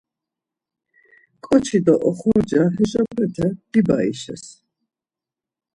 Ǩoçi do oxorca heşopete dibaişes.